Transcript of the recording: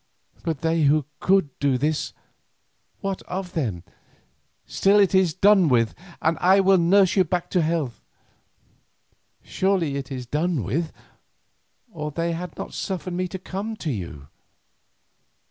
But they who could do this—what of them? Still it is done with and I will nurse you back to health. Surely it is done with, or they had not suffered me to come to you?"